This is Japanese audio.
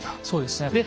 そうですね。